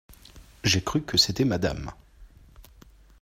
J’ai cru que c’était madame.